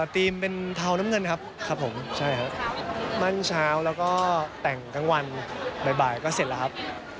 ธีมเป็นเทาน้ำเงินครับมั่นเช้าแล้วก็แต่งทั้งวันบ่ายก็เสร็จแล้วครับ